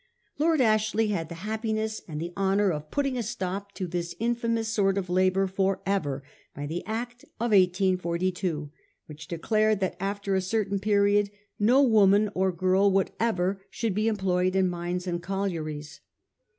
Lord Ashley had the happiness and the honour of putting a stop to this infamous sort .of labour for ever by the Act of 1842, which declared that, after a certain limited period, no woman or girl whatever should be employed in mines and collieries.